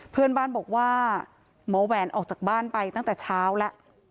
เพื่อนบ้านบอกว่าหมอแหวนออกจากบ้านไปตั้งแต่เช้าแล้ว